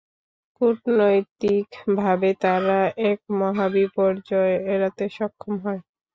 কূটনৈতিকভাবে তারা এক মহাবিপর্যয় এড়াতে সক্ষম হয়।